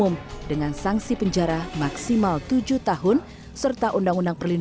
untuk yang sekarang sudah dipores